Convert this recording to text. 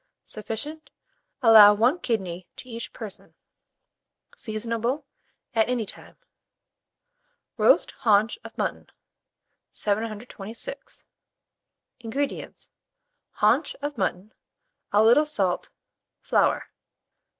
Sufficient. Allow 1 kidney to each person. Seasonable at any time. ROAST HAUNCH OF MUTTON. [Illustration: HAUNCH OF MUTTON.] 726. INGREDIENTS. Haunch of mutton, a little salt, flour.